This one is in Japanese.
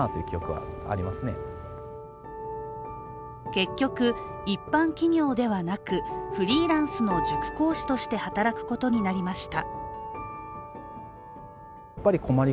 結局、一般企業ではなくフリーランスの塾講師として働くことになりました。